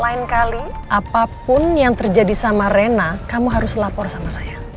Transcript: lain kali apapun yang terjadi sama rena kamu harus lapor sama saya